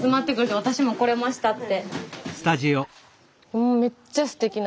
もうめっちゃすてきなおうち。